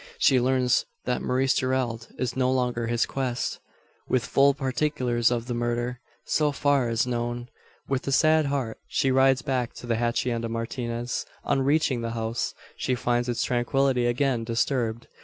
She learns that Maurice Gerald is no longer his guest, with "full particulars of the murder," so far as known. With a sad heart she rides back to the Hacienda Martinez. On reaching the house, she finds its tranquillity again disturbed.